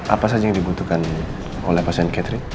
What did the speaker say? apa saja yang dibutuhkan oleh pasien catering